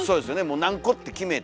もう何個って決めて。